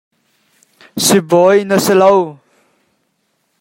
Sibawi na si lo.